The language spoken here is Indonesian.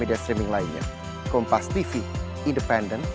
oke terima kasih ya